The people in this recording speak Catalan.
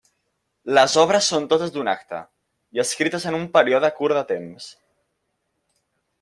Les obres són totes d'un acte, i escrites en un període curt de temps.